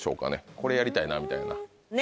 これやりたいなみたいな。